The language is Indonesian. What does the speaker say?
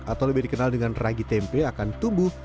atau lebih dikenal dengan ragi tempe akan tumbuh